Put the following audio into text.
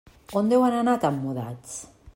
On deuen anar tan mudats.